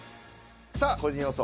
さあ個人予想